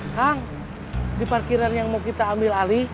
kang di parkiran yang mau kita ambil alih